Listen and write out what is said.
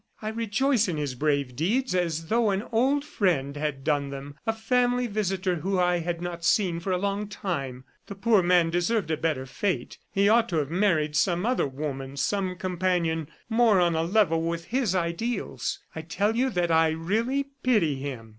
I rejoice in his brave deeds as though an old friend had done them, a family visitor whom I had not seen for a long time. ... The poor man deserved a better fate. He ought to have married some other woman, some companion more on a level with his ideals. ... I tell you that I really pity him!"